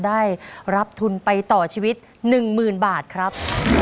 ได้รับทุนไปต่อชีวิต๑๐๐๐บาทครับ